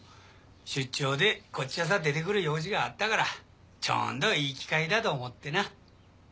出張でこっちさ出てくる用事があったからちょうどいい機会だと思っでな。